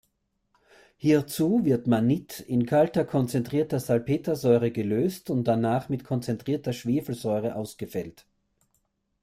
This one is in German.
Hierzu wird Mannit in kalter konzentrierter Salpetersäure gelöst und danach mit konzentrierter Schwefelsäure ausgefällt.